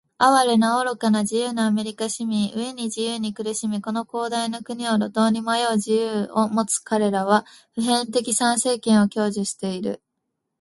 哀れな、愚かな、自由なアメリカ市民！飢えに「自由」に苦しみ、この広大な国を路頭に迷う「自由」を持つかれらは、普遍的参政権を享受している。